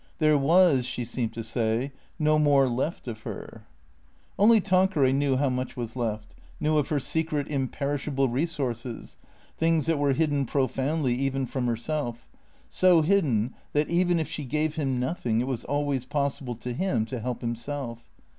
There was, she seemed to say, no more left of her. Only Tanqueray knew how much was left ; knew of her secret, imperishable resources, things that were hidden profoundly even from herself; so hidden that, even if she gave him noth ing, it was always possible to him to help himself.